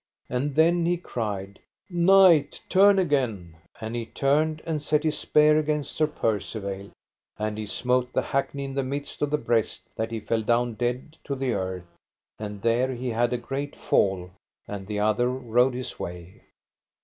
And then he cried: Knight, turn again; and he turned and set his spear against Sir Percivale, and he smote the hackney in the midst of the breast that he fell down dead to the earth, and there he had a great fall, and the other rode his way.